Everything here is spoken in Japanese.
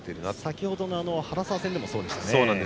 先程の原沢戦でもそうでした。